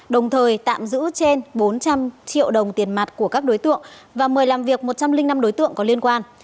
đồng thời tạm giữ trên bốn trăm linh triệu đồng tiền mặt của các đối tượng và mời làm việc một trăm linh năm đối tượng có liên quan